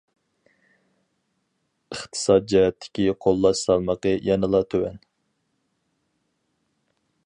ئىقتىساد جەھەتتىكى قوللاش سالمىقى يەنىلا تۆۋەن.